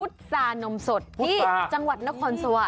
จานมสดที่จังหวัดนครสวรร